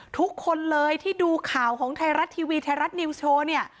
ทุกคนเลยที่ดูข่าวของไทยรัฐทีวีไทยรัฐนิวส์โชว์เนี่ย